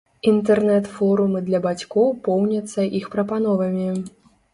Інтэрнэт-форумы для бацькоў поўняцца іх прапановамі.